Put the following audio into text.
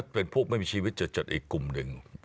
เป็นผู้ไม่มีชีวิตจะจดอีกกลุ่มหนึ่ง